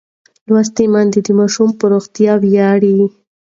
لوستې میندې د ماشوم پر روغتیا ویاړي.